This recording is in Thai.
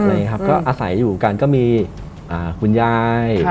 ก็อาศัยอยู่กันก็มีคุณยาย